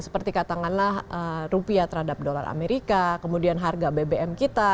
seperti katakanlah rupiah terhadap dolar amerika kemudian harga bbm kita